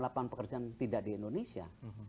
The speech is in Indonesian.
lapangan pekerjaan tidak di indonesia